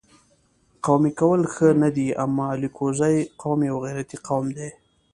قومي کول ښه نه دي اما الکوزی قوم یو غیرتي قوم دي